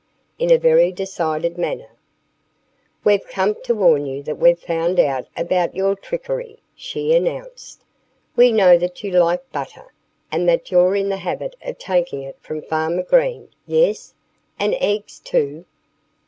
in a very decided manner. "We've come to warn you that we've found out about your trickery," she announced. "We know that you like butter, and that you're in the habit of taking it from Farmer Green yes! and eggs, too!"